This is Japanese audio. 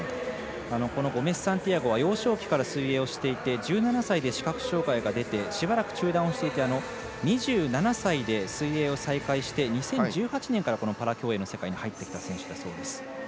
このゴメスサンティアゴは幼少期から水泳をしていて１７歳で視覚障がいが出てしばらく中断をしていて２７歳で水泳を再開して２０１８年からこのパラ競泳の世界に入ってきた選手です。